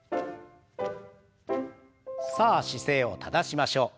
さあ姿勢を正しましょう。